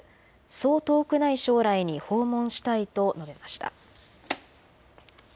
そう遠くない将来に訪問したいと述べました。